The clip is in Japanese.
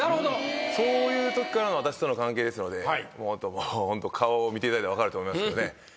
そういうときからの私との関係ですのでホント顔を見ていただいたら分かると思いますけどね。